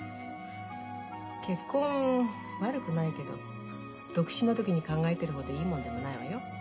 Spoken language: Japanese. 結婚悪くないけど独身の時に考えてるほどいいもんでもないわよ。